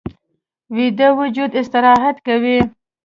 ویده وجود استراحت کوي